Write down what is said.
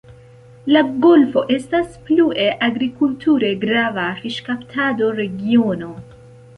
La golfo estas plue agrikulture grava fiŝkaptado-regiono.